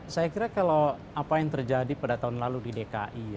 saya kira kalau apa yang terjadi pada tahun lalu di dki